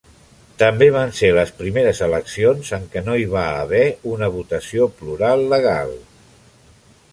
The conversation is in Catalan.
També van ser les primeres eleccions en què no hi va haver una votació plural legal.